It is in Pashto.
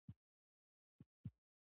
خدای زده بیا به کله را شئ، زموږ پر کلي